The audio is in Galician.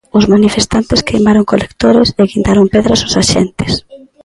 Os manifestantes queimaron colectores e guindaron pedras os axentes.